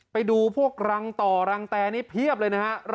ไปดูพวกรังต่อรังแตนี่เพียบเลยนะฮะ